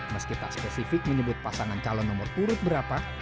meskipun spesifik menyebut pasangan calon nomor urut berapa